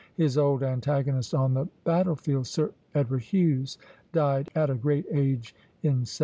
His old antagonist on the battlefield, Sir Edward Hughes, died at a great age in 1794.